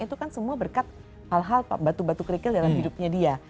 itu kan semua berkat hal hal batu batu kerikil dalam hidupnya dia